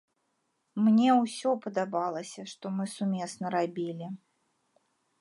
Мне ўсё падабалася, што мы сумесна рабілі.